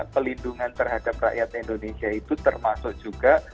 pelindungan terhadap rakyat indonesia itu termasuk juga